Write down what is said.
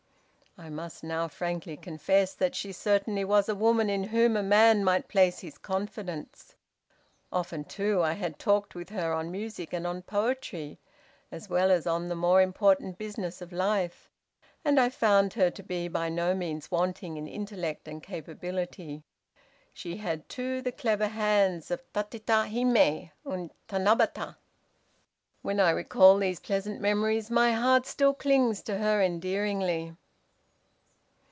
"I must now frankly confess that she certainly was a woman in whom a man might place his confidence. Often, too, I had talked with her on music and on poetry, as well as on the more important business of life, and I found her to be by no means wanting in intellect and capability. She had too the clever hands of Tatyta himè and Tanabata. "When I recall these pleasant memories my heart still clings to her endearingly."